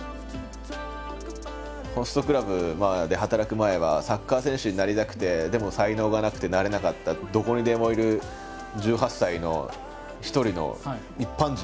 ホストクラブで働く前はサッカー選手になりたくてでも才能がなくてなれなかったどこにでもいる１８歳の一人の一般人だったんですよ。